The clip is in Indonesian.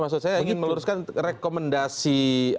saya ingin meluruskan rekomendasi